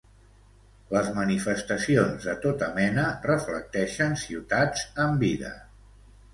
Les manifestacions, de tota mena, reflecteixen ciutats amb vida.